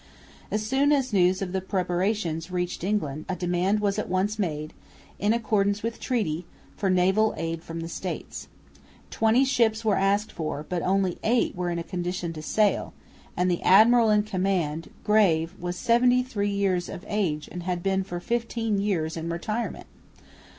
As soon as news of the preparations reached England, a demand was at once made, in accordance with treaty, for naval aid from the States. Twenty ships were asked for, but only eight were in a condition to sail; and the admiral in command, Grave, was 73 years of age and had been for fifteen years in retirement.